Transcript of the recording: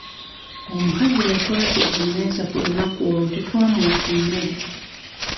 Omukazi eyatwazika emmeeza ku lunaku olwo tetwamuwa ku mmere.